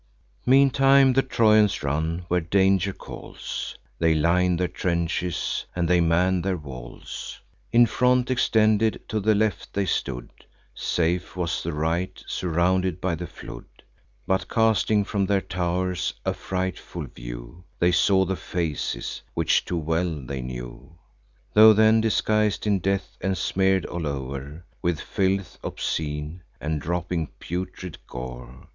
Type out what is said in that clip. Meantime the Trojans run, where danger calls; They line their trenches, and they man their walls. In front extended to the left they stood; Safe was the right, surrounded by the flood. But, casting from their tow'rs a frightful view, They saw the faces, which too well they knew, Tho' then disguis'd in death, and smear'd all o'er With filth obscene, and dropping putrid gore.